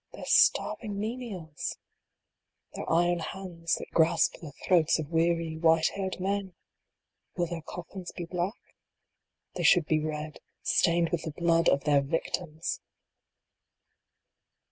Their starving menials ? Their iron hands, that grasp the throats of weary, white haired men ? Will their coffins be black ? They should be red stained with the blood of their victims